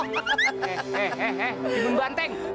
eh eh timun banteng